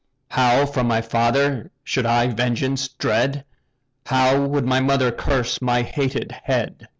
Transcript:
How from my father should I vengeance dread! How would my mother curse my hated head!